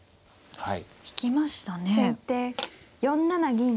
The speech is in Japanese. はい。